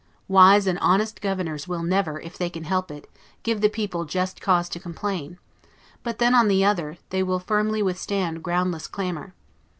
Wise and honest governors will never, if they can help it, give the people just cause to complain; but then, on the other hand, they will firmly withstand groundless clamor.